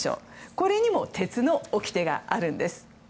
これにも鉄のおきてがあるんです。